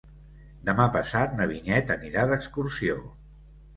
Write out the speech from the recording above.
Demà passat na Vinyet anirà d'excursió.